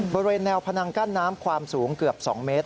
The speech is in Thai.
บริเวณแนวพนังกั้นน้ำความสูงเกือบ๒เมตร